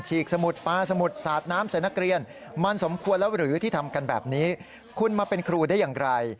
สมุดปลาสมุดสาดน้ำใส่นักเรียนมันสมควรแล้วหรือที่ทำกันแบบนี้คุณมาเป็นครูได้อย่างไร